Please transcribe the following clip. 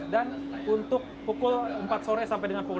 dan untuk pukul empat sore sampai dengan pukul delapan